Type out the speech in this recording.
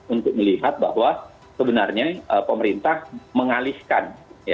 untuk melihat bahwa sebenarnya pemerintah mengalihkan